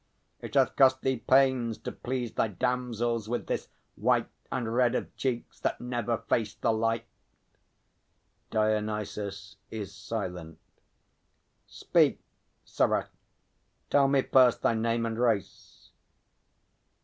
It hath cost Thee pains, to please thy damsels with this white And red of cheeks that never face the light! [DIONYSUS is silent. Speak, sirrah; tell me first thy name and race.